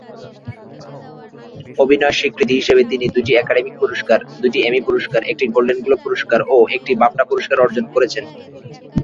অভিনয়ের স্বীকৃতি হিসেবে তিনি দুটি একাডেমি পুরস্কার, দুটি এমি পুরস্কার, একটি গোল্ডেন গ্লোব পুরস্কার ও একটি বাফটা পুরস্কার অর্জন করেছেন।